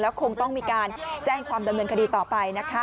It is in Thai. คงต้องมีการแจ้งความดำเนินคดีต่อไปนะคะ